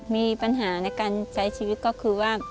มีปัญหาในการใช้ชีวิตก็คือว่า